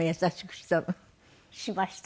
しました。